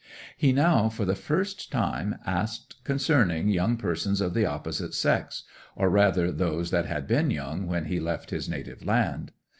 He now for the first time asked concerning young persons of the opposite sex—or rather those who had been young when he left his native land.